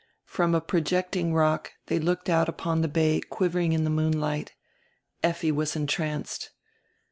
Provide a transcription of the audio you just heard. From a projecting rock they looked out upon die bay quivering in die moonlight. Effi was entranced.